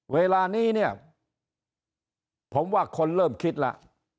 เวลานี้เนี่ยผมว่าคนเริ่มคิดแล้ว